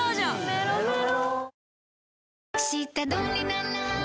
メロメロ